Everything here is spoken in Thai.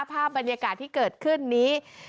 ภาพบรรยากาศที่เกิดขึ้นนี้